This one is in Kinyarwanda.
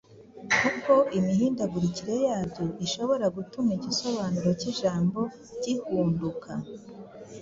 kuko imihindagurikire yabyo ishobora gutuma igisobanuro k’ijambo gihunduka.